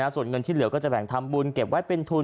ส่วนเงินที่เหลือก็จะแบ่งทำบุญเก็บไว้เป็นทุน